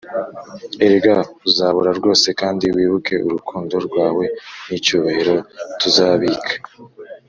erega uzabura rwose kandi wibuke urukundo rwawe n'icyubahiro tuzabika.